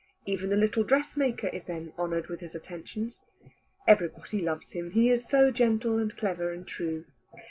Even the little dress maker is then honoured with his attentions. Everybody loves him, he is so gentle and clever and true.